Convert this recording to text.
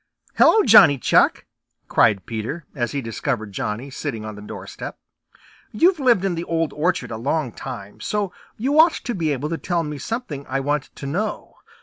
"Hello, Johnny Chuck!" cried Peter, as he discovered Johnny sitting on his doorstep. "You've lived in the Old Orchard a long time, so you ought to be able to tell me something I want to know.